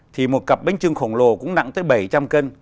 thì một cặp bánh trưng khổng lồ cũng nặng tới bảy trăm linh cân